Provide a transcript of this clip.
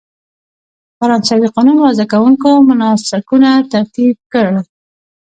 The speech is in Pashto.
فرانسوي قانون وضع کوونکو مناسکونه ترتیب کړل.